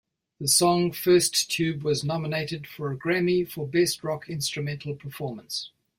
The song "First Tube" was nominated for a Grammy for Best Rock Instrumental Performance.